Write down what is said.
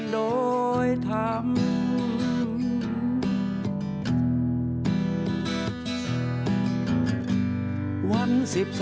เพลงเพลง